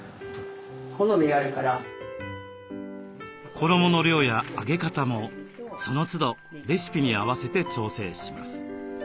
衣の量や揚げ方もそのつどレシピに合わせて調整します。